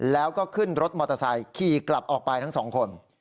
แล้วก็ขึ้นรถมอเตอร์ไซค์ขี่กลับออกไปทั้งสองคน